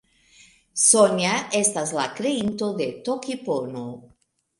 Sonja estas la kreinto de Tokipono.